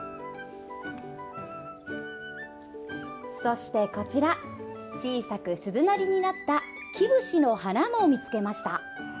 そして小さく鈴なりになったキブシの花も見つけました。